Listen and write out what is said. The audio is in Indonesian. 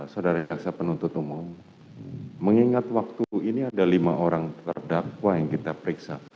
saudara jaksa penuntut umum mengingat waktu ini ada lima orang terdakwa yang kita periksa